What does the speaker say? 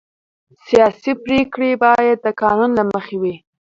سیاسي پرېکړې باید د قانون له مخې وي